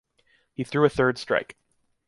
He threw a third strike.